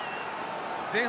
前半